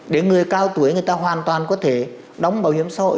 để người cao tuổi người ta hoàn toàn có thể đóng bảo hiểm xã hội